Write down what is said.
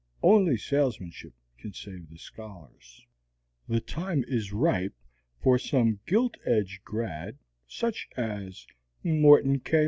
Only salesmanship can save the scholars. The time is ripe for some gilt edged grad such as Morton K.